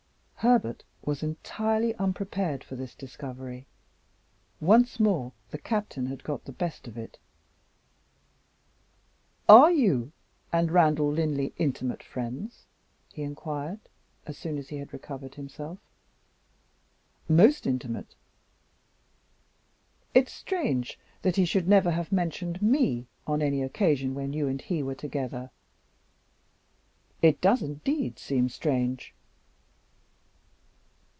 Herbert was entirely unprepared for this discovery. Once more, the Captain had got the best of it. "Are you and Randal Linley intimate friends?" he inquired, as soon as he had recovered himself. "Most intimate." "It's strange that he should never have mentioned me, on any occasion when you and he were together." "It does indeed seem strange."